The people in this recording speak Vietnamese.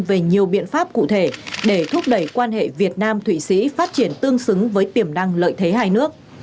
về nhiều biện pháp cụ thể để thúc đẩy quan hệ việt nam thụy sĩ phát triển tương xứng với tiềm năng lợi thế hai nước